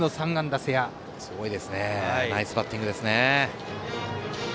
ナイスバッティングですね。